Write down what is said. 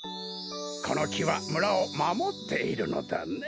このきは村をまもっているのだね。